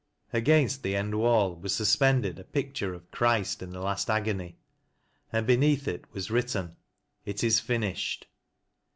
Against the end wall was suspended a picture of Christ in the last agony, and beneath it was written, " It is fin ished."